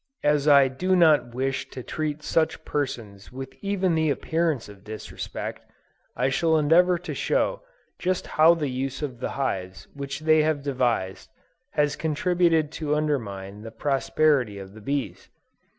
As I do not wish to treat such persons with even the appearance of disrespect, I shall endeavor to show just how the use of the hives which they have devised, has contributed to undermine the prosperity of the bees.